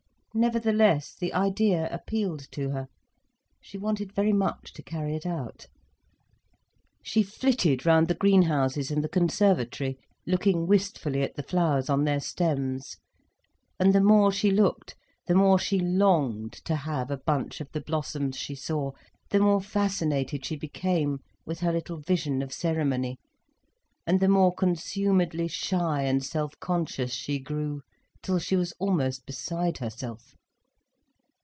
Nevertheless, the idea appealed to her. She wanted very much to carry it out. She flitted round the green houses and the conservatory looking wistfully at the flowers on their stems. And the more she looked, the more she longed to have a bunch of the blossoms she saw, the more fascinated she became with her little vision of ceremony, and the more consumedly shy and self conscious she grew, till she was almost beside herself.